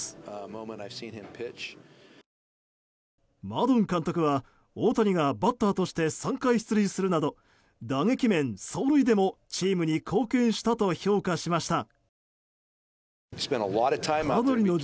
マドン監督は、大谷がバッターとして３回出塁するなど打撃面、走塁でもチームに貢献したと評価しました。